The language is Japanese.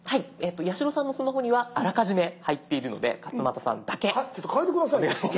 八代さんのスマホにはあらかじめ入っているので勝俣さんだけお願いします。